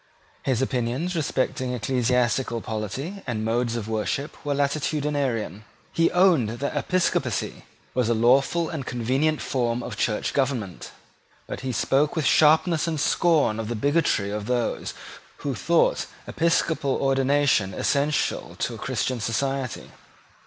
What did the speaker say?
His opinions respecting ecclesiastical polity and modes of worship were latitudinarian. He owned that episcopacy was a lawful and convenient form of church government; but he spoke with sharpness and scorn of the bigotry of those who thought episcopal ordination essential to a Christian society.